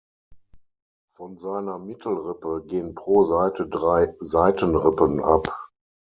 Von seiner Mittelrippe gehen pro Seite drei Seitenrippen ab.